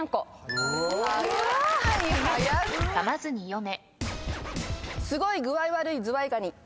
かまずに読め。